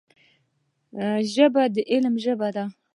ژبه د علم ژبه ده